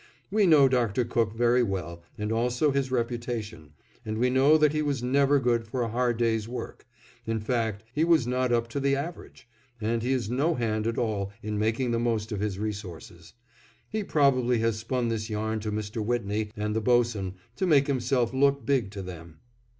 We know Dr. Cook very well and also his reputation, and we know that he was never good for a hard day's work; in fact he was not up to the average, and he is no hand at all in making the most of his resources. He probably has spun this yarn to Mr. Whitney and the boatswain to make himself look big to them.